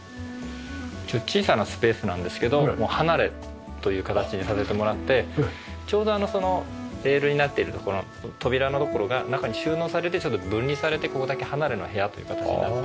ちょっと小さなスペースなんですけど離れという形にさせてもらってちょうどそのレールになっている所の扉の所が中に収納されてちょっと分離されてここだけ離れの部屋という形になって。